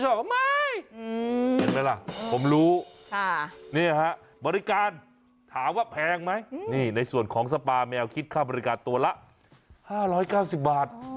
เห็นไหมเห็นไหมล่ะผมรู้บริการถามว่าแพงไหมนี่ในส่วนของสปาแนวคิดค่าบริการตัวละ๕๙๐บาท